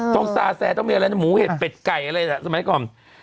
ต้องซาแทรกต้องมีอะไรเนี่ยหมูเห็ดเป็ดไก่อะไรแหละสมัยก่อน